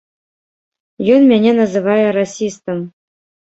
Ён мяне называе расістам.